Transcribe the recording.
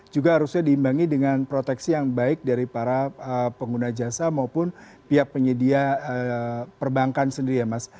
juga harusnya diimbangi dengan proteksi yang baik dari para pengguna jasa maupun pihak penyedia perbankan sendiri ya mas